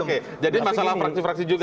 oke jadi masalah praksi praksi juga